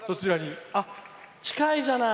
近いじゃない。